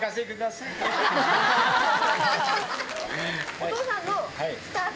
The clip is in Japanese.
お父さんのスタート！